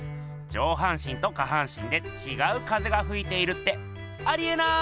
上半身と下半身でちがう風がふいているってありえない！